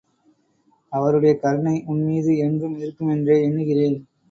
அவருடைய கருணை உன்மீது என்றும் இருக்குமென்றே எண்ணுகிறேன்.